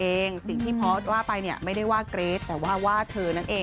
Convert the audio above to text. ผิดเธอเองสิ่งที่พอสต์ว่าไปเนี่ยไม่ได้ว่าเกรทแต่ว่าเธอนั่นเอง